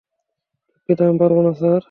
দুঃখিত, আমি পারব না, স্যার।